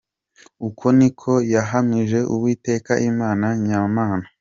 Uko niko yahamije Uwiteka Imana nyamana.